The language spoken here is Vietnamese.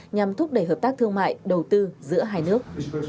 nhằm thúc đẩy hợp tác thương mại đầu tư giữa hai nước